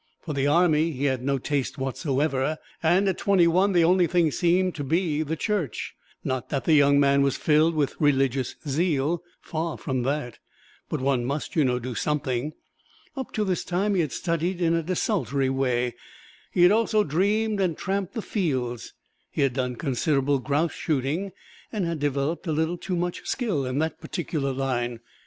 For the army he had no taste whatsoever, and at twenty one the only thing seemed to be the Church. Not that the young man was filled with religious zeal far from that but one must, you know, do something. Up to this time he had studied in a desultory way; he had also dreamed and tramped the fields. He had done considerable grouse shooting and had developed a little too much skill in that particular line.